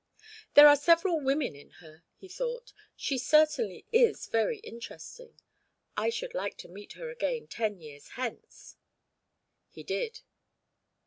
"There are several women in her," he thought. "She certainly is very interesting. I should like to meet her again ten years hence." He did.